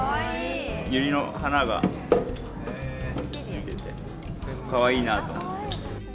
ユリの花がついててかわいいなと思って。